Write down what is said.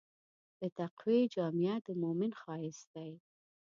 د تقوی جامه د مؤمن ښایست دی.